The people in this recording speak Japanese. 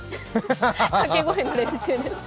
掛け声の練習です。